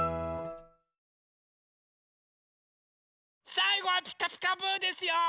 さいごは「ピカピカブ！」ですよ！